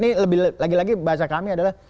ini lebih lagi lagi bahasa kami adalah